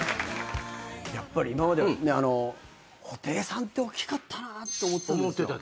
やっぱり今までは布袋さんっておっきかったなって思ってたんですよ。